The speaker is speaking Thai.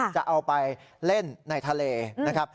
จะเอาไปเล่นในทะเลนะครับ